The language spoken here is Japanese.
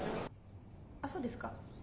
あそうですか。